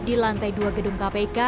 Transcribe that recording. di lantai dua gedung kpk